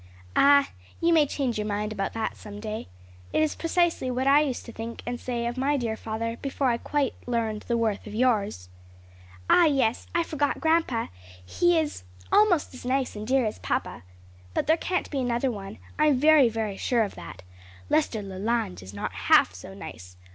"Ah, you may change your mind about that some day. It is precisely what I used to think and say of my dear father, before I quite learned the worth of yours." "Ah, yes, I forgot grandpa! he is almost as nice and dear as papa. But there can't be another one, I'm very, every sure of that. Lester Leland is not half so nice.